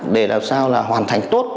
để làm sao là hoàn thành tốt